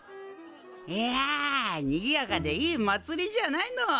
いやにぎやかでいいまつりじゃないの。